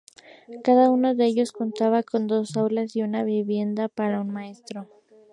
Cada uno de ellos, contaba con dos aulas y una vivienda para un maestro.